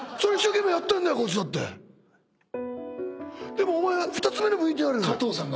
でもお前２つ目のＶＴＲ。